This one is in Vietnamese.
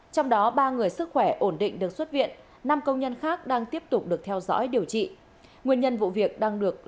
trong đó ba người sức khỏe ổn định được xuất viện năm công nhân khác đang tiếp tục được theo dõi điều trị nguyên nhân vụ việc đang được